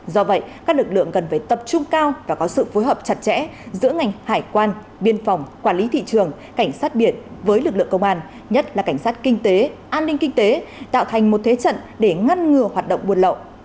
do vậy các lực lượng cần phải tập trung cao và có sự phối hợp chặt chẽ giữa ngành hải quan biên phòng quản lý thị trường cảnh sát biển với lực lượng công an nhất là cảnh sát kinh tế an ninh kinh tế tạo thành một thế trận để ngăn ngừa hoạt động buôn lậu